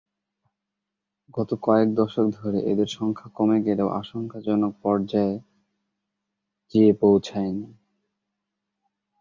গত কয়েক দশক ধরে এদের সংখ্যা কমে গেলেও আশঙ্কাজনক পর্যায়ে যেয়ে পৌঁছায় নি।